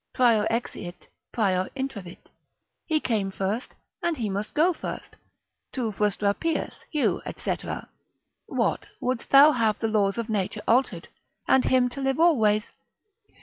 Prior exiit, prior intravit, he came first, and he must go first. Tu frustra pius, heu, &c. What, wouldst thou have the laws of nature altered, and him to live always?